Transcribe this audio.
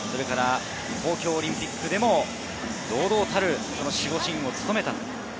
東京オリンピックでも堂々たる守護神を務めました。